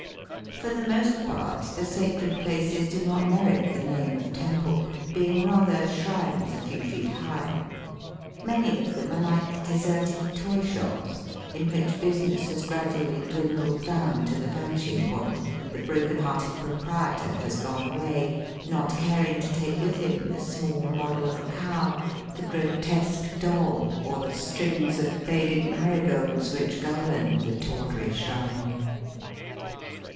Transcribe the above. For the most part the sacred places do not merit the name of temple, being rather shrines a few feet high. Many of them are like deserted toy shops in which business has gradually dwindled down to the vanishing point, and the broken hearted pro prietor has gone away, not caring to take with him the small model of a cow, the grotesque doll, or the strings of faded marigolds which garland the tawdry shrine.